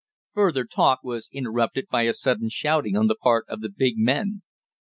Further talk was interrupted by a sudden shouting on the part of the big men.